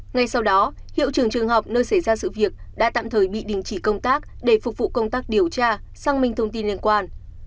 ngay sau đó hiệu trường trường học nơi xảy ra sự việc đã tạm thời bị đình chỉ công tác để phục vụ công tác điều tra xăng minh thông tin liên quan